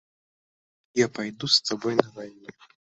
Я пайду з табой на вайну.